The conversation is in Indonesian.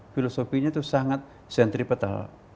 filosofinya itu sangat sentripetal